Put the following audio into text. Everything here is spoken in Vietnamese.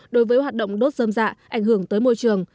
đối với hoạt động đốt dơm dạ ảnh hưởng tới môi trường